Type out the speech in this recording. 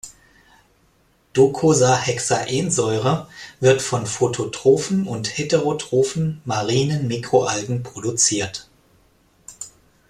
Docosahexaensäure wird von phototrophen und heterotrophen, marinen Mikroalgen produziert.